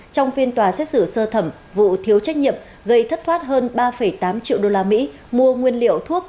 trong phiên tòa xét xử sơ thẩm vụ thiếu trách nhiệm gây thất thoát hơn ba tám triệu đô la mỹ mua nguyên liệu thuốc